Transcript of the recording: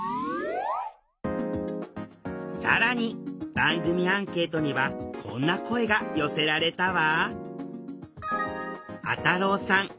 更に番組アンケートにはこんな声が寄せられたわ。